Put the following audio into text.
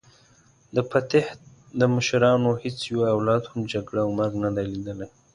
د فتح د مشرانو هیڅ یوه اولاد هم جګړه او مرګ نه دی لیدلی.